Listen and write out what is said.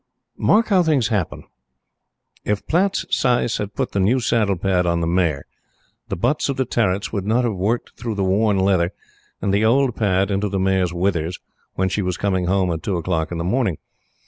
Mark how things happen! If Platte's sais had put the new saddle pad on the mare, the butts of the territs would not have worked through the worn leather, and the old pad into the mare's withers, when she was coming home at two o'clock in the morning.